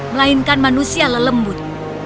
melainkan manusia lelembut